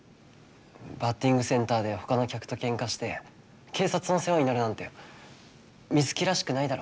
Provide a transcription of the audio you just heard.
バッティングセンターでほかの客とケンカして警察の世話になるなんて水城らしくないだろ。